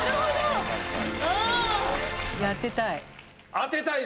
当てたい。